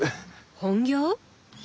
本業？